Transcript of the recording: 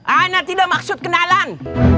anak tidak maksud kenalan